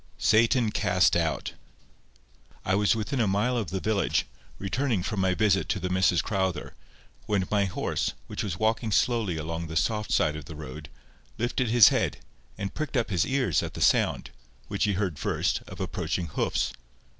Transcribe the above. SATAN CAST OUT. I was within a mile of the village, returning from my visit to the Misses Crowther, when my horse, which was walking slowly along the soft side of the road, lifted his head, and pricked up his ears at the sound, which he heard first, of approaching hoofs.